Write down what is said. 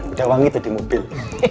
udah wangi itu di mobil